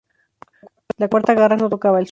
La cuarta garra no tocaba el suelo.